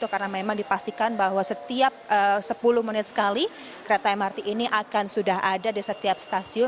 karena memang dipastikan bahwa setiap sepuluh menit sekali kereta mrt ini akan sudah ada di setiap stasiun